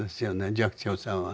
寂聴さんは。